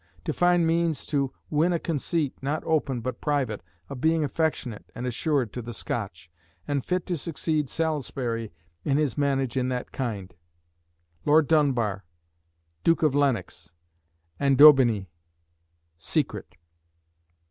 To find means to win a conceit, not open, but private, of being affectionate and assured to the Scotch, and fit to succeed Salisbury in his manage in that kind; Lord Dunbar, Duke of Lennox, and Daubiny: secret."